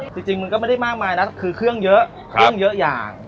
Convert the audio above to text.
จริงมันก็ไม่ได้มากมายนะคือเครื่องเยอะเครื่องเยอะอย่าง